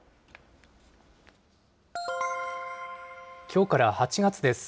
きょうから８月です。